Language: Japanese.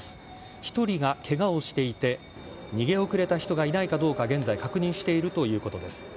１人がケガをしていて逃げ遅れた人がいないかどうか現在確認しているということです。